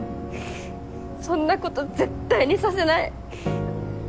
そんなこと絶対にさせない。